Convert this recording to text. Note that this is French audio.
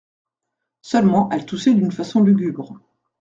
Seulement elle toussait d'une façon lugubre.